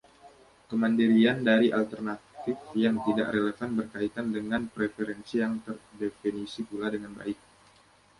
Kemandirian dari alternatif yang tidak relevan berkaitan dengan preferensi yang terdefinisi pula dengan baik.